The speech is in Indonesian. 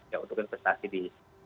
ya untuk investasi di